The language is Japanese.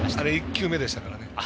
１球目ですからね。